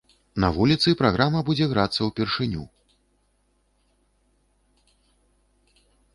На вуліцы праграма будзе грацца ўпершыню.